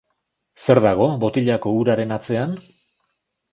Zer dago botilako uraren atzean?